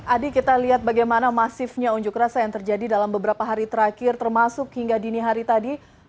adi kita lihat bagaimana masifnya unjuk rasa yang terjadi dalam beberapa hari terakhir termasuk hingga dini hari tadi